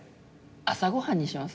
朝ご飯にします？